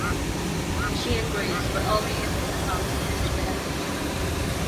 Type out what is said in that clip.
She agrees, but only if it becomes necessary.